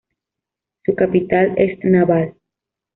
Su capital es Naval.